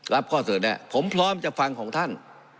รับข้อเสนอแน่ผมพร้อมจะฟังของท่าน